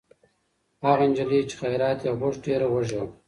هغه نجلۍ چې خیرات یې غوښت، ډېره وږې وه.